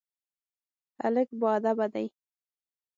هلک باادبه دی.